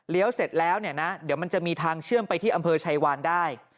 เลี้ยวเสร็จแล้วมันจะมีทางเชื่อมไปที่อำเภอชัยวานได้